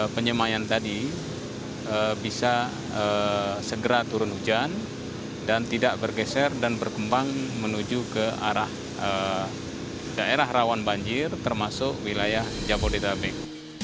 penyemayan tadi bisa segera turun hujan dan tidak bergeser dan berkembang menuju ke arah daerah rawan banjir termasuk wilayah jabodetabek